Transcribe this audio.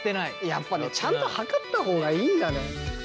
やっぱねちゃんとはかった方がいいんだね。